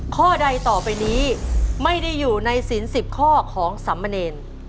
ข้อใดต่อไปนี้ไม่ได้อยู่ในศิลป์๑๐ข้อของสำมะเนร